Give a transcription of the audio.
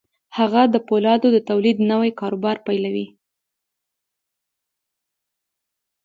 هغه د پولادو د تولید نوی کاروبار به پیلوي